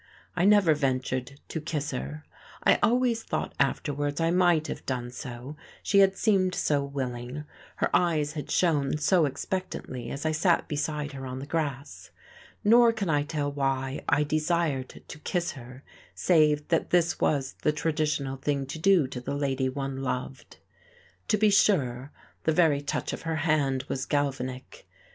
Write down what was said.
I never ventured to kiss her; I always thought afterwards I might have done so, she had seemed so willing, her eyes had shone so expectantly as I sat beside her on the grass; nor can I tell why I desired to kiss her save that this was the traditional thing to do to the lady one loved. To be sure, the very touch of her hand was galvanic.